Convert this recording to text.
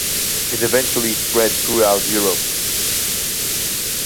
It eventually spread throughout Europe.